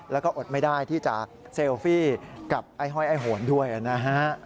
แล้วก็อดไม่ได้ที่จะเซลฟี่กับไอ้ห้อยไอ้โหนด้วยนะฮะ